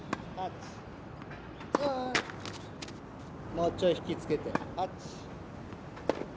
もうちょい引き付けて。